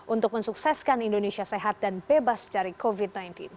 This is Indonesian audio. untuk mensukseskan indonesia sehat dan bebas dari covid sembilan belas